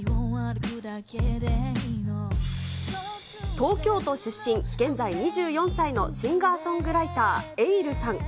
東京都出身、現在２４歳のシンガーソングライター、エイルさん。